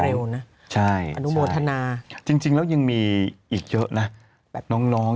เร็วนะใช่อนุโมทนาจริงแล้วยังมีอีกเยอะนะแบบน้องน้อง